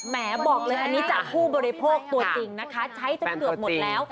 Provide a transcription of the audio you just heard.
บอกเลยอันนี้จากผู้บริโภคตัวจริงนะคะใช้จนเกือบหมดแล้ว